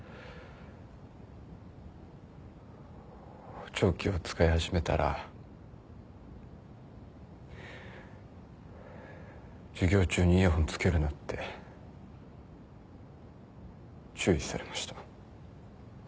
補聴器を使い始めたら授業中にイヤホンつけるなって注意されました。